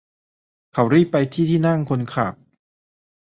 เขารีบไปที่ที่นั่งคนขับ